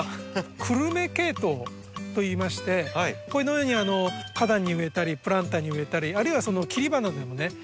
「久留米ケイトウ」といいましてこのように花壇に植えたりプランターに植えたりあるいは切り花でもね